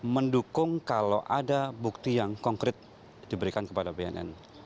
mendukung kalau ada bukti yang konkret diberikan kepada bnn